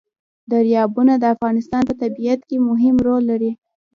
دریابونه د افغانستان په طبیعت کې مهم رول لري.